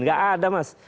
tidak ada mas